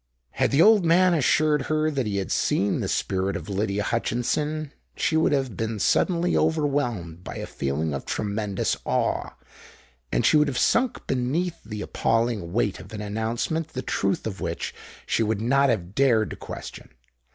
Had the old man assured her that he had seen the spirit of Lydia Hutchinson, she would have been suddenly overwhelmed by a feeling of tremendous awe; and she would have sunk beneath the appalling weight of an announcement the truth of which she would not have dared to question.